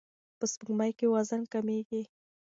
په سپوږمۍ کې وزن کمیږي.